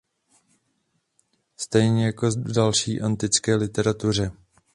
Stejně jako v další antické literatuře.